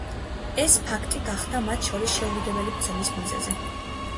ეს ფაქტი გახდა მათ შორის შეურიგებელი ბრძოლის მიზეზი.